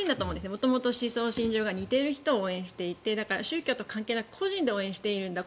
元々、思想信条が似ている人を応援していて宗教と関係なく個人で応援しているんだ